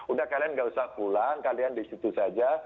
udah kalian nggak usah pulang kalian disitu saja